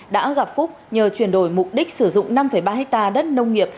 đã gặp phúc nhờ chuyển đổi mục đích sử dụng năm ba hectare đất nông nghiệp